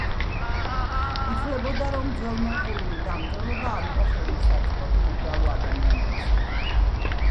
ითვლებოდა რომ ძველმონღოლური დამწერლობა არ იყო ხელმისაწვდომი უბრალო ადამიანებისათვის.